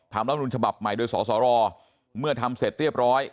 รัฐมนุนฉบับใหม่โดยสสรเมื่อทำเสร็จเรียบร้อย